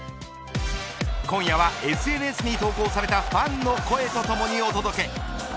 今夜はＳＮＳに投稿されたファンの声とともにお届け。